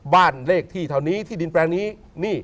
บ้านเลขที่เท่านี้ที่ดินแปลงนี้